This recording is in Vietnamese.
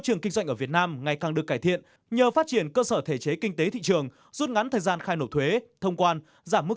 cho các doanh nghiệp xuất nhập khẩu trên địa bàn